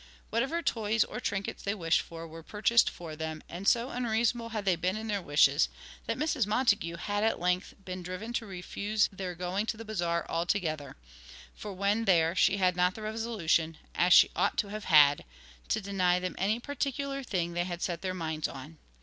Whatever toys or trinkets they wished for were purchased for them, and so unreasonable had they been in their wishes that Mrs. Montague had at length been driven to refuse their going to the Bazaar altogether; for when there she had not the resolution, as she ought to have had, to deny them any particular thing they had set their minds on.